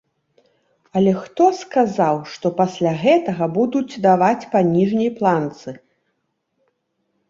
Але хто сказаў, што пасля гэтага будуць даваць па ніжняй планцы?